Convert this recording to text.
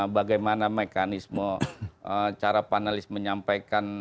bagaimana mekanisme cara panelis menyampaikan